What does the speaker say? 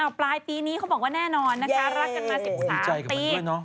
ปลายปีนี้เขาบอกว่าแน่นอนนะคะรักกันมา๑๓ปี